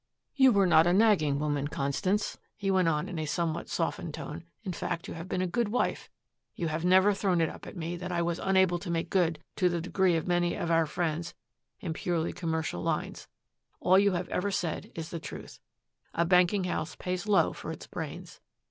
"You were not a nagging woman, Constance," he went on in a somewhat softened tone. "In fact you have been a good wife; you have never thrown it up to me that I was unable to make good to the degree of many of our friends in purely commercial lines. All you have ever said is the truth. A banking house pays low for its brains.